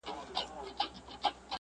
ژوند یې ښه وو کاروبار یې برابر وو!!